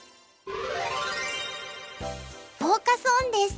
フォーカス・オンです。